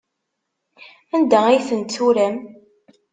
Anda ay tent-turam?